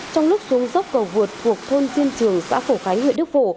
trong lúc xuống dốc cầu vượt thuộc thôn diên trường xã phổ khánh huyện đức phổ